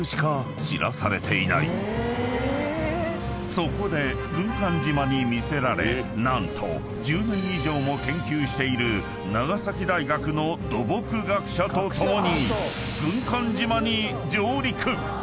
［そこで軍艦島に魅せられ何と１０年以上も研究している長崎大学の土木学者と共に］